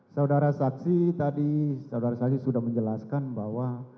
saudara saksi tadi saudara saksi sudah menjelaskan bahwa